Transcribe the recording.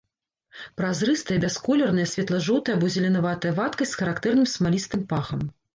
Празрыстая, бясколерная, светла-жоўтая або зеленаватая вадкасць з характэрным смалістым пахам.